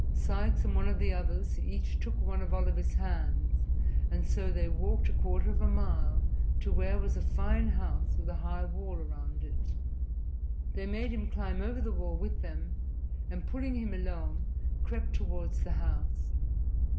Sikes and one of the others each took one of Oliver's hands, and so they walked a quarter of a mile to where was a fine house with a high wall around it. They made him climb over the wall with them, and, pulling him along, crept toward the house.